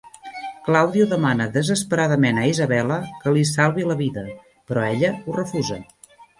Claudio demana desesperadament a Isabella que li salvi la vida, però ella ho refusa.